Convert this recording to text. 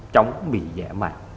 chống bị giả mạng